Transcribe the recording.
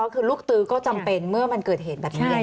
คือลูกตื้อก็จำเป็นเมื่อมันเกิดเหตุแบบนี้